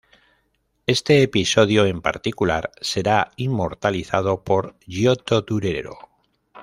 Este episodio en particular será inmortalizado por Giotto y Durero.